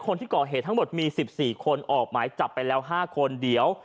คนที่ก่อเหตุทั้งหมดมี๑๔คนออกหมายจับไปแล้ว๕คนเดี๋ยว